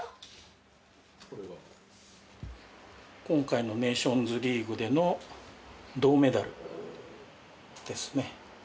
今回のネーションズリーグでの銅メダルですね。